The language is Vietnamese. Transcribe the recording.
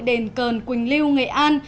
đền cờn quỳnh lưu nghệ an